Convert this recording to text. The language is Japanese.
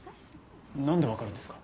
なんで分かるんですか？